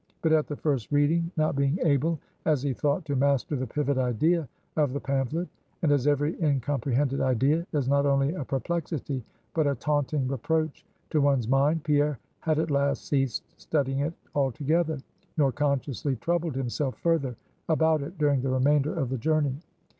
But at the first reading, not being able as he thought to master the pivot idea of the pamphlet; and as every incomprehended idea is not only a perplexity but a taunting reproach to one's mind, Pierre had at last ceased studying it altogether; nor consciously troubled himself further about it during the remainder of the journey.